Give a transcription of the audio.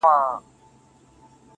ما له یوې هم یوه ښه خاطره و نه لیده.